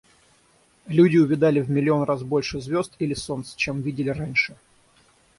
Люди увидали в миллион раз больше звезд, или солнц, чем видели раньше.